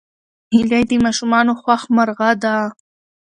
هیلۍ د ماشومانو خوښ مرغه ده